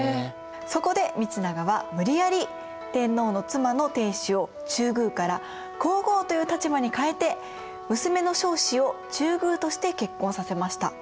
そこで道長は無理やり天皇の妻の定子を中宮から皇后という立場に変えて娘の彰子を中宮として結婚させました。